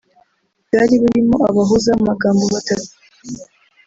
Bwari burimo abahuza b’amagambo batatu